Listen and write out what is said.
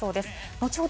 後ほど